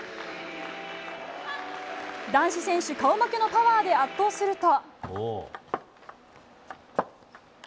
男子選手顔負けのパワーで圧倒すると。